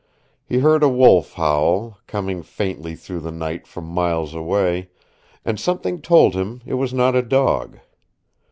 He heard a wolf howl, coming faintly through the night from miles away, and something told him it was not a dog.